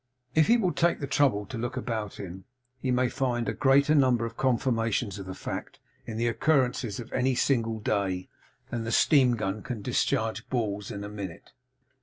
If he will take the trouble to look about him, he may find a greater number of confirmations of the fact in the occurrences of any single day, than the steam gun can discharge balls in a minute.